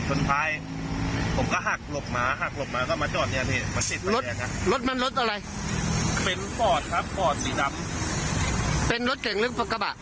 ถ้าเกิดบางทีแล้วบากก็จำตะเบียนประมาณสี่ที่เหลื่อสองกระบะ